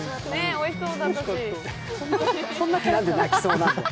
おいしそうだったし。